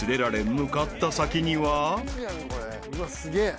すげえ。